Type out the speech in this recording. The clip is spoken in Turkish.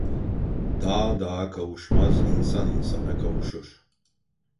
Dağ dağa kavuşmaz, insan insana kavuşur.